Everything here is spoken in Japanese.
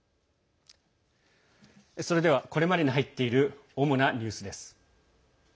それではこれまでに入っている主なニュースです。